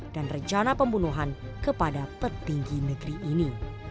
dan rencana pembunuhan kepada petinggi negeri ini